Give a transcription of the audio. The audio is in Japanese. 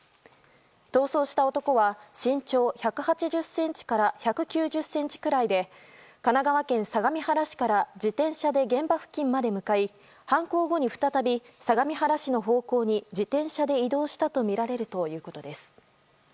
逃走した男は身長１８０ｃｍから１９０ｃｍくらいで神奈川県相模原市から自転車で現場付近まで向かい犯行後に再び相模原市の方向に自転車で移動したとみられるということです。